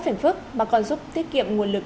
phiền phức mà còn giúp tiết kiệm nguồn lực